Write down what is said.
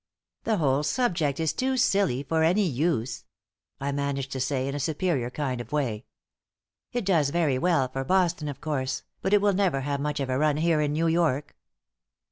"The whole subject is too silly for any use," I managed to say, in a superior kind of way. "It does very well for Boston, of course, but it will never have much of a run here in New York."